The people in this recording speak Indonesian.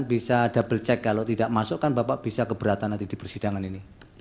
bisa double check kalau tidak masuk kan bapak bisa keberatan nanti di persidangan ini